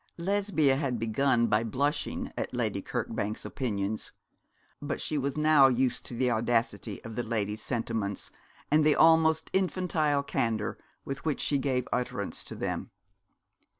Lesbia had begun by blushing at Lady Kirkbank's opinions; but she was now used to the audacity of the lady's sentiments, and the almost infantile candour with which she gave utterance to them.